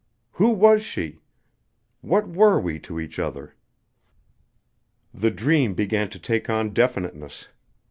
Who was she? What were we to each other?" The dream began to take on definiteness.